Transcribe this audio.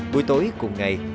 buổi tối cùng ngày